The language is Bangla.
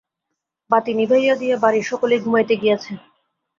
বাতি নিবাইয়া দিয়া বাড়ির সকলেই ঘুমাইতে গিয়াছে।